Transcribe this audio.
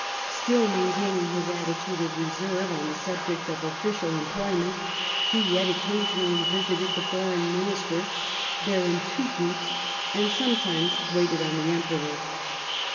Still maintaining his attitude of reserve on the subject of official employment, he yet occasionally visited the Foreign Minister, Baron Thugut, and sometimes waited on the Emperor.